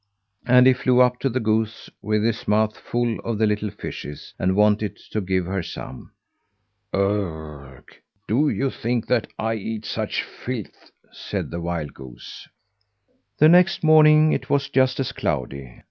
And he flew up to the goose, with his mouth full of the little fishes, and wanted to give her some. "Ugh! Do you think that I eat such filth?" said the wild goose. The next morning it was just as cloudy.